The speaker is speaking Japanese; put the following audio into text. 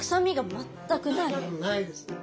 ないです。